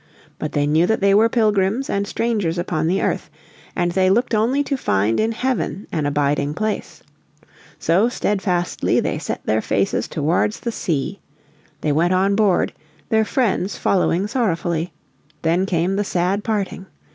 But they knew that they were pilgrims and strangers upon the earth, and they looked only to find in heaven an abiding place. So steadfastly they set their faces towards the sea. They went on board, their friends following sorrowfully. Then came the sad parting.